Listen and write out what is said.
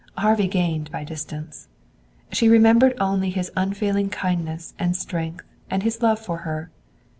Harvey gained by distance. She remembered only his unfailing kindness and strength and his love for her.